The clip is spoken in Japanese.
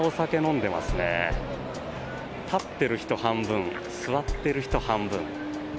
立ってる人半分座っている人半分。